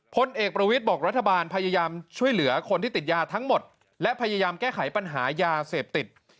พลเอกประวิทย์บอกรัฐบาลพยายามช่วยเหลือคนที่ติดยาทั้งหมดและพยายามแก้ไขปัญหายาเสพติด